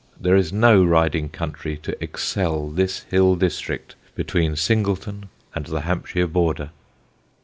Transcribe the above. There is no riding country to excel this hill district between Singleton and the Hampshire border.